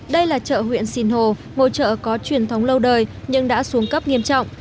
đây là chợ huyện sinh hồ một chợ có truyền thống lâu đời nhưng đã xuống cấp nghiêm trọng